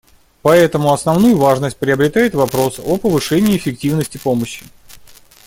Поэтому основную важность приобретает вопрос о повышении эффективности помощи.